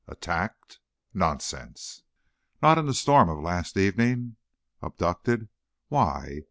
Attacked? Nonsense! Not in the storm of last evening. Abducted? Why?